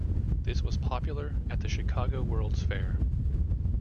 This was popular at the Chicago World's Fair.